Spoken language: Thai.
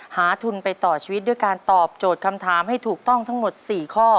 ทุนไปต่อชีวิตด้วยการตอบโจทย์คำถามให้ถูกต้องทั้งหมด๔ข้อ